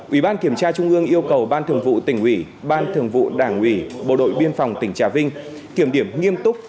ủy ban kiểm tra trung ương yêu cầu ban thường vụ tỉnh ủy ban thường vụ đảng ủy bộ đội biên phòng tỉnh trà vinh kiểm điểm nghiêm túc